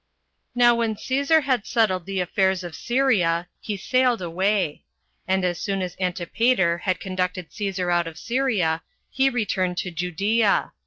1. Now when Cæsar had settled the affairs of Syria, he sailed away. And as soon as Antipater had conducted Cæsar out of Syria, he returned to Judea.